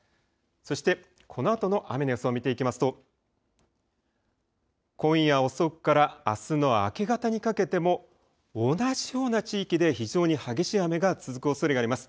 そしてこのあとの雨の予想を見ていきますと今夜遅くからあすの明け方にかけても同じような地域で非常に激しい雨が続くおそれがあります。